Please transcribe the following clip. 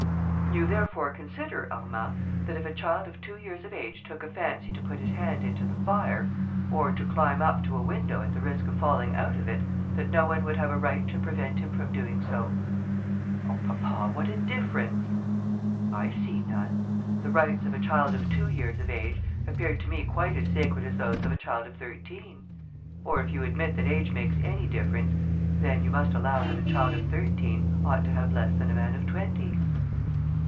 "You therefore consider, Armand, that if a child of two years of age took a fancy to put his hand into the fire, or to climb up to a window at the risk of falling out of it, that no one would have a right to prevent him from doing so." "Oh, papa, what a difference!" "I see none: the rights of a child of two years of age, appear to me quite as sacred as those of a child of thirteen; or if you admit that age makes any difference, then you must allow that a child of thirteen ought to have less than a man of twenty."